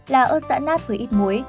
là ớt dã nát với ít muối